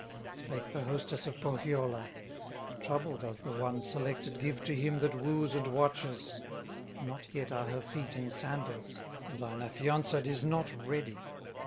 Spake the hostess of Pohyola: "Trouble does the one selected Give to him that wooes and watches; Not yet are her feet in sandals, Thine affianced is not ready.